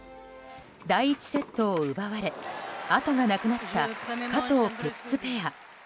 第１セットを奪われあとがなくなった加藤、プッツペア。